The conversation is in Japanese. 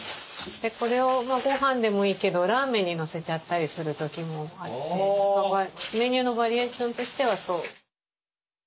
これをごはんでもいいけどラーメンにのせちゃったりする時もあってメニューのバリエーションとしてはそう。